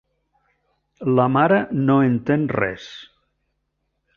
La mare no entén res.